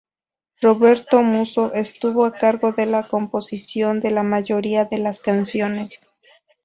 Roberto Musso estuvo a cargo de la composición de la mayoría de las canciones.